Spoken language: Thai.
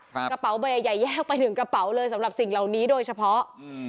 กระเป๋าใบใหญ่ใหญ่แยกไปถึงกระเป๋าเลยสำหรับสิ่งเหล่านี้โดยเฉพาะอืม